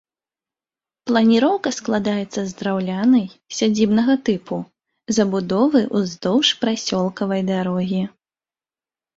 Планіроўка складаецца з драўлянай, сядзібнага тыпу, забудовы ўздоўж прасёлкавай дарогі.